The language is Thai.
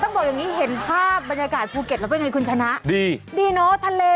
โดยเฉพาะนักท่องเที่ยวต่างชาติที่จะมา